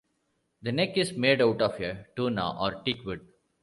The neck is made out of "toona", or teak wood.